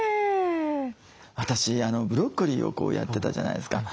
私ブロッコリーをやってたじゃないですか。